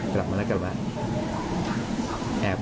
กลับมาแล้วกันแหละ